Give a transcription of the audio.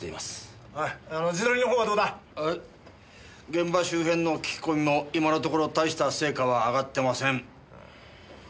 現場周辺の聞き込みも今のところ大した成果はあがってません。